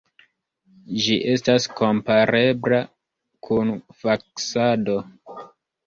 Ĝi estas komparebla kun faksado.